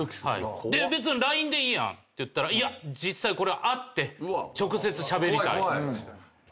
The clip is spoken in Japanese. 別にＬＩＮＥでいいやんって言ったら「実際これは会って直接しゃべりたい」